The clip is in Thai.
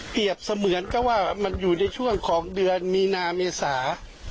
เสมือนก็ว่ามันอยู่ในช่วงของเดือนมีนาเมษา